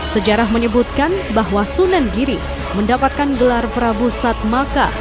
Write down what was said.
sejarah menyebutkan bahwa sunan giri mendapatkan gelar prabu satmaka